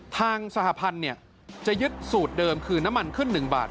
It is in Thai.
ทางสหพันธ์จะยึดสูตรเดิมคือน้ำมันขึ้น๑บาท